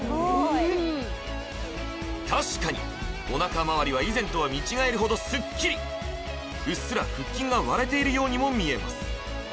うーん確かにおなかまわりは以前とは見違えるほどスッキリうっすら腹筋が割れているようにも見えます